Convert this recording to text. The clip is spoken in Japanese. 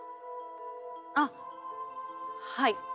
あっはい。